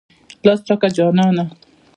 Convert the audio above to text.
لاس راکه جانانه.